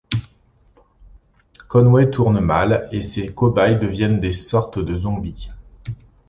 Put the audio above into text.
Conway tournent mal et ses cobayes deviennent des sortes de zombies…